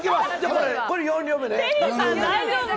これ４両目ね。